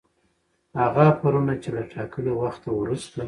هغه آفرونه چي له ټاکلي وخته وروسته